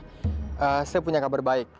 saya punya kabar baik